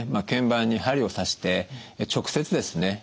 腱板に針を刺して直接ですね